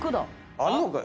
あんのかい。